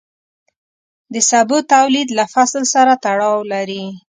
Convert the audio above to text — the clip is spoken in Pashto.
د سبو تولید له فصل سره تړاو لري.